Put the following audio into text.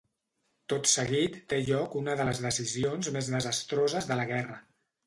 Tot seguit té lloc una de les decisions més desastroses de la guerra.